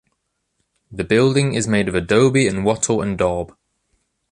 The building is made of adobe and wattle and daub.